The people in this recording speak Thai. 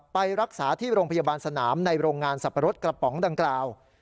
ไปรักษาที่โรงพยาบาลสนามในโรงงานสับปะรดกระป๋องดังกล่าว